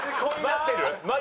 待ってるな。